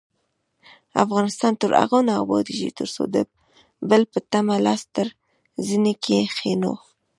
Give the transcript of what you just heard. افغانستان تر هغو نه ابادیږي، ترڅو د بل په تمه لاس تر زنې کښينو.